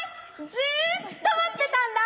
ずっと待ってたんだ